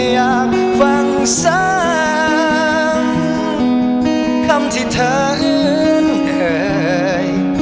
อยากฟังซ้ำคำที่เธออื่นเคย